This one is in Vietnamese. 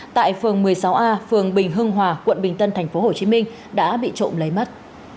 tại phường một mươi sáu a phường bình hưng hòa quận bình tân tp hcm đã bị trộm lấy mất